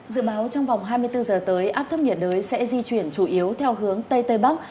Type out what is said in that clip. dự báo trong vòng hai mươi bốn giờ tới áp thấp nhiệt đới sẽ di chuyển chủ yếu theo hướng tây tây bắc